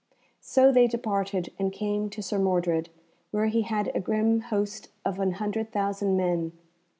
So they departed, and came to Sir Mordred, where he had a grim host of an hundred thousand men.